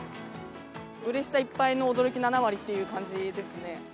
うれしさいっぱいの、驚き７割っていう感じですね。